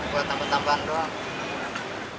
buat tambahan tambahan doang